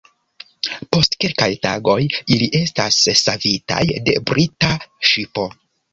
Post kelkaj tagoj, ili estas savitaj de brita ŝipo.